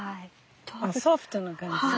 ソフトな感じ。